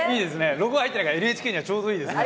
ロゴ入ってないからＮＨＫにはちょうどいいですね。